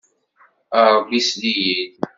A Ṛebbi, sel-iyi-d!